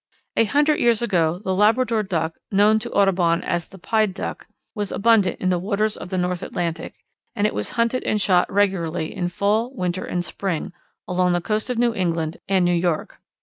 _ A hundred years ago the Labrador Duck, known to Audubon as the "Pied Duck," was abundant in the waters of the North Atlantic, and it was hunted and shot regularly in fall, winter, and spring, along the coast of New England and New York.